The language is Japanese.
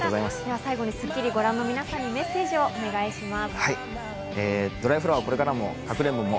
最後に『スッキリ』をご覧の皆さんにメッセージをお願いします。